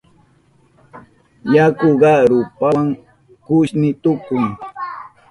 Yakuka rupawa kushni tukun.